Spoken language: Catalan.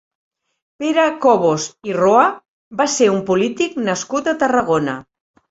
Pere Cobos i Roa va ser un polític nascut a Tarragona.